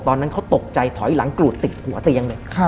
ตอนนั้นเขาตกใจถอยหลังกรูดติดหัวเตียงเลย